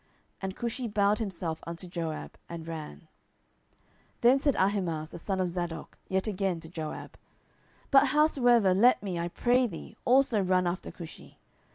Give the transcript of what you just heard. And Cushi bowed himself unto Joab, and ran. 10:018:022 Then said Ahimaaz the son of Zadok yet again to Joab, But howsoever, let me, I pray thee, also run after Cushi.